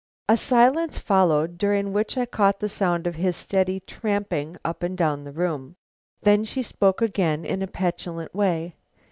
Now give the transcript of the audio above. A silence followed, during which I caught the sound of his steady tramping up and down the room. Then she spoke again in a petulant way.